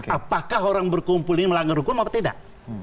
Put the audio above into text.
apakah orang berkumpul ini melanggar hukum atau tidak